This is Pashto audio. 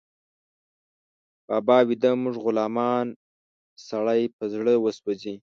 بابا ويده، موږ غلامان، سړی په زړه وسوځي